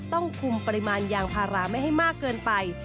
ต้องคุมปริมาณยางพาราไม่ให้มากเกินไป